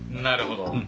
なるほど。